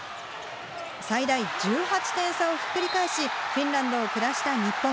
最大１８点差をひっくり返し、フィンランドを下した日本。